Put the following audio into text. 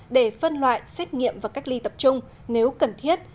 để phân loại xét nghiệm và cách ly tập trung nếu cần thiết